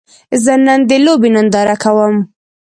زه نن د لوبې ننداره کوم